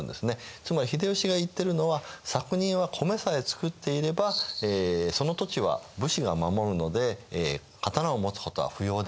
つまり秀吉が言ってるのは「作人は米さえ作っていればその土地は武士が守るので刀を持つことは不要である」と。